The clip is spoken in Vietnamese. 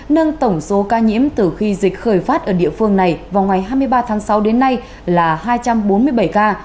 nâng tổng số ca nhiễm từ khi dịch khởi phát ở địa phương này vào ngày hai mươi ba tháng sáu đến nay là hai trăm bốn mươi bảy ca